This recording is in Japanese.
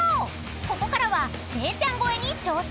［ここからはぺーちゃん超えに挑戦］